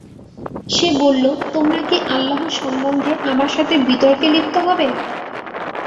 সে বলল, তোমরা কি আল্লাহ সম্বন্ধে আমার সাথে বিতর্কে লিপ্ত হবে?